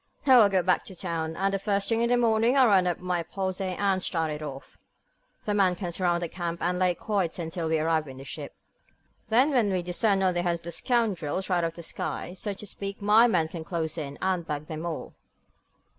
Now I'll go back to town, and the first thing in the morning I'll round up my posse and start it off. The men can surround the camp, and lay quiet until we arrive in this ship. Then, when we descend on the heads of the scoundrels, right out of the sky, so to speak, my men can close in, and bag them all."